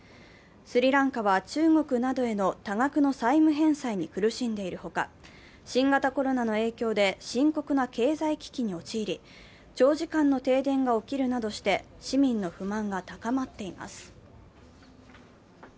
スリランカは中国などへの多額の債務返済に苦しんでいるほか、新型コロナの影響で深刻な経済危機に陥り長時間の停電が起きるなどして市民の不満が高まっています。